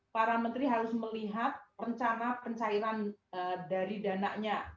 para menteri harus melihat rencana pencairan dari dananya